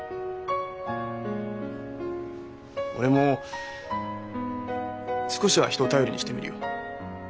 俺も少しは人を頼りにしてみるよ。